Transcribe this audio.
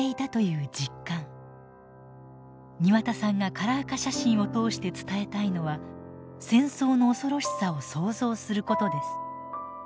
庭田さんがカラー化写真を通して伝えたいのは戦争の恐ろしさを想像することです。